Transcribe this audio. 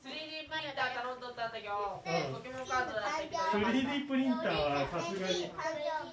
３Ｄプリンターはさすがに。